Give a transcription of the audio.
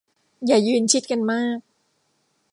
อย่ายืนชิดกันมาก